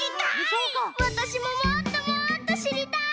わたしももっともっとしりたい！